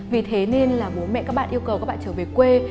vì thế nên là bố mẹ các bạn yêu cầu các bạn trở về quê